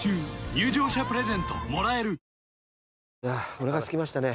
おなかすきましたね。